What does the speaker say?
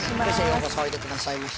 ようこそおいでくださいました。